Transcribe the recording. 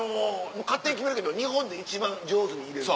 勝手に決めるけど日本で一番上手に入れる。